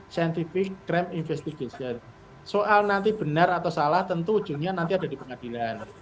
scientific crime investigation soal nanti benar atau salah tentu ujungnya nanti ada di pengadilan